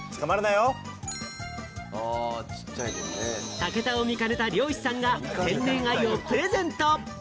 武田を見かねた漁師さんが天然アユをプレゼント！